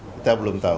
kita belum tahu